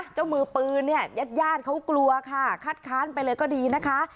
เจ้ามือปืนเนี่ยญาติญาติเขากลัวค่ะคัดค้านไปเลยก็ดีนะคะ